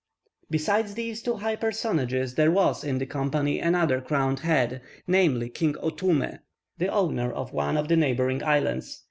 Besides these two high personages, there was in the company another crowned head, namely, King Otoume, the owner of one of the neighbouring islands.